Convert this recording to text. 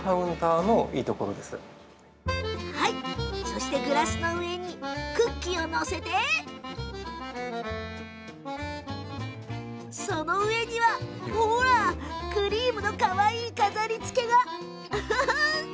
そして、グラスの上にクッキーを載せてその上にクリームのかわいい飾りつけが。